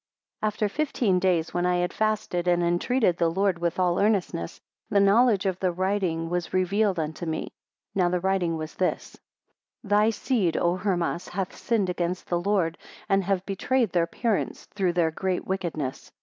8 After fifteen days, when I had fasted, and entreated the Lord with all earnestness, the knowledge of the writing was revealed unto me. Now the writing was this: 9 Thy seed, O Hermas! hath sinned against the Lord, and have betrayed their parents, through their great wickedness.